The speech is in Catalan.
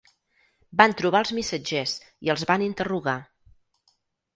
Van trobar els missatgers i els van interrogar.